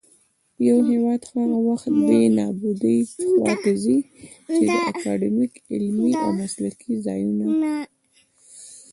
يـو هـېواد هغـه وخـت دې نـابـودۍ خـواته ځـي ،چـې اکـادميـک، عـلمـي او مـسلـکي ځـايـونــه